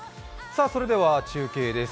それでは中継です。